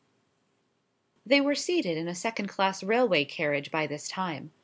They were seated in a second class railway carriage by this time.